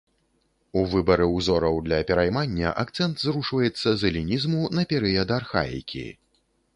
У выбары ўзораў для пераймання акцэнт зрушваецца з элінізму на перыяд архаікі.